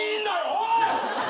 おい！